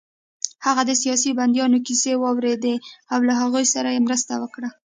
هغه د سیاسي بندیانو کیسې واورېدې او له هغوی سره يې مرسته وکړه